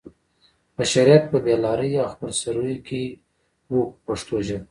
بشریت په بې لارۍ او خپل سرویو کې و په پښتو ژبه.